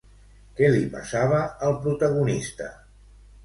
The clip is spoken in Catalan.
Què li passava al protagonista?